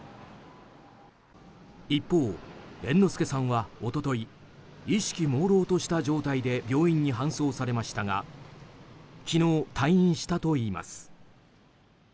一方、猿之助さんは一昨日意識もうろうとした状態で病院に搬送されましたが昨日、退院したといいます。